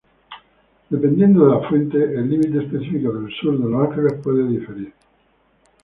Dependiendo de la fuente, el límite específico del sur de Los Ángeles puede diferir.